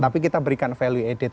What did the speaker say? tapi kita berikan value added